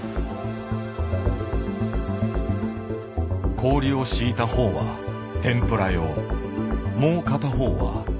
氷を敷いた方は天ぷら用もう片方はすし用。